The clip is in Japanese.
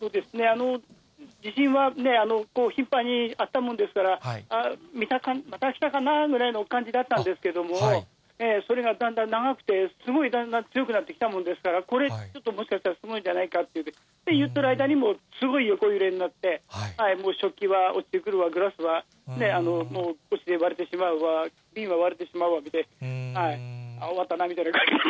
地震は頻繁にあったもんですから、またきたかな？くらいの感じだったんですけれども、それがだんだん長くて、すごいだんだん強くなってきたもんですから、これ、ちょっともしかしたら、すごいんじゃないかって言ってる間にすごい横揺れになって、もう食器は落ちてくるわ、グラスは落ちて割れてしまうわ、瓶は割れてしまうわで、終わったなみたいな。